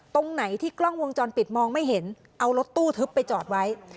ตรงไหนที่กล้องวงจรปิดมองไม่เห็นเอารถตู้ทึบไปจอดไว้